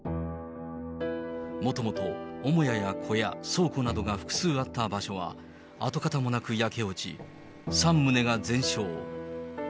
もともと母屋や倉庫などが複数あった場所は、跡形もなく焼け落ち、３棟が全焼。